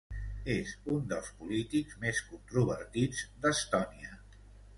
És un dels polítics més controvertits d'Estònia.